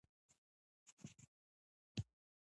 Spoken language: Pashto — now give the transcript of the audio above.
ګومان کوم په تاریخ کې د جنګ لپاره لږ پلمه پېښه شوې وي.